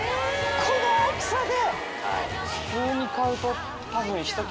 この大きさで！？